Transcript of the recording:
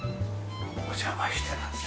お邪魔してます。